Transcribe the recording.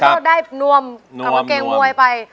แล้วก็ได้นวมก๋วงกางเกงมวยไป